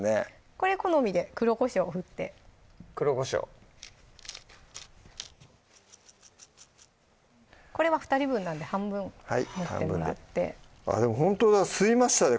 これ好みで黒こしょう振って黒こしょうこれは２人分なんで半分盛ってもらってほんとだ吸いましたね